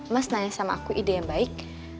mas nanya sama aku ide yang baik